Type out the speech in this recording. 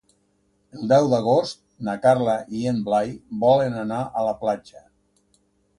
El deu d'agost na Carla i en Blai volen anar a la platja.